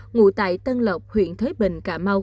ngủ tại tân lộc huyện thới bình cà mau